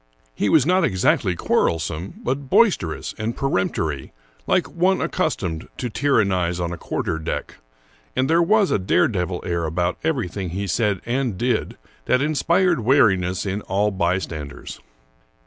He was not exactly quarrelsome, but boisterous and peremptory, like one accustomed to tyrannize on a quar ter deck ; and there was a dare devil ^ air about everything he said and did that inspired wariness in all bystanders.